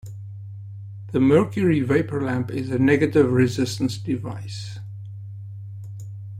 The mercury vapor lamp is a negative resistance device.